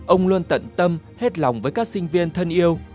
ông luôn tận tâm hết lòng với các sinh viên thân yêu